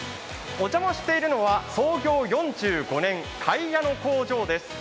お邪魔しているのは創業４５年、かいやの工場です。